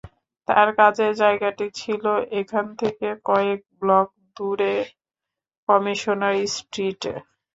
তাঁর কাজের জায়গাটি ছিল এখান থেকে কয়েক ব্লক দূরে কমিশনার স্ট্রিটে।